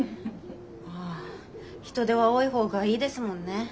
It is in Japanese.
ああ人手は多い方がいいですもんね。